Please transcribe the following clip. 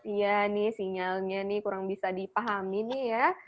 iya nih sinyalnya nih kurang bisa dipahami nih ya